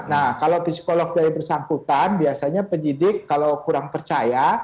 nah kalau psikolog dari bersangkutan biasanya penyidik kalau kurang percaya